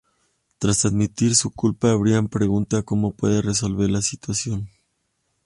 Tras admitir su culpa, Brian pregunta como puede resolver la situación.